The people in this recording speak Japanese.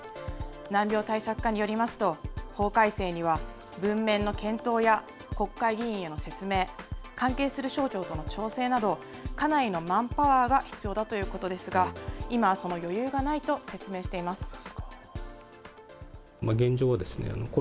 難病対策課によりますと、法改正には文面の検討や国会議員への説明、関係する省庁との調整など、かなりのマンパワーが必要だということですが、今はその余裕がないと説明しています。